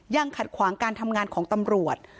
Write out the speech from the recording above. ขัดขวางการทำงานของตำรวจ